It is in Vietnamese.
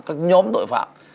các nhóm tội phạm